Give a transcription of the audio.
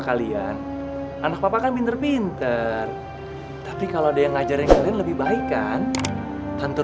kalian anak papa kan pinter pinter tapi kalau dia ngajarin kalian lebih baik kan tentu